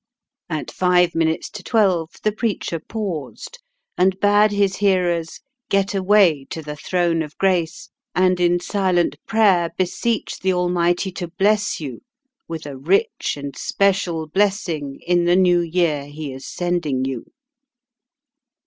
At five minutes to twelve the preacher paused, and bade his hearers "get away to the Throne of Grace, and in silent prayer beseech the Almighty to bless you with a rich and special blessing in the new year He is sending you."